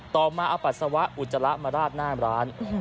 ต่อมาเอาปัสสาวะอุจจาระมาราดหน้าร้าน